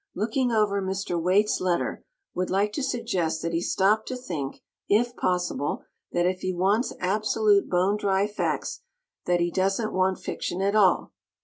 Looking over Mr. Waite's letter, would like to suggest that he stop to think, if possible, that if he wants absolute bone dry facts, that he doesn't want fiction at all.